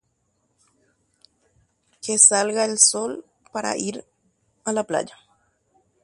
Tosẽna kuarahy jaha hag̃ua yrembe'ýpe.